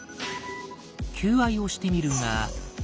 求愛をしてみるが。